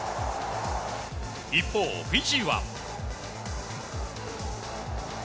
一方、フィジーは。